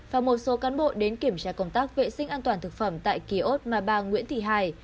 và một số cán bộ đến kiểm tra công tác vệ sinh an toàn thực phẩm tại kiosk mà bà nguyễn thị hải